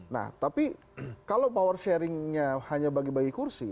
nah tapi kalau power sharingnya hanya bagi bagi kursi